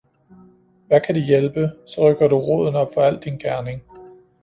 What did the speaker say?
Hvad kan det hjælpe, så rykker du roden op for al din gerning